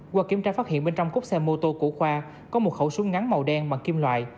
qua kiểm tra phát hiện bên trong cốc xe mô tô của khoa có một khẩu súng ngắn màu đen bằng kim loại